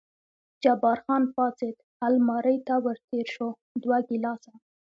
جبار خان پاڅېد، المارۍ ته ور تېر شو، دوه ګیلاسه.